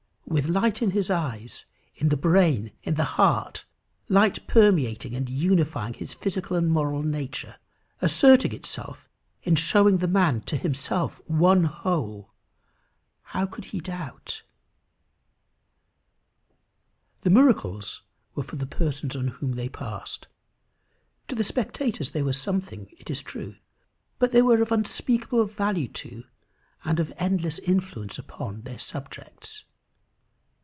With light in the eyes, in the brain, in the heart, light permeating and unifying his physical and moral nature, asserting itself in showing the man to himself one whole how could he doubt! The miracles were for the persons on whom they passed. To the spectators they were something, it is true; but they were of unspeakable value to, and of endless influence upon their subjects.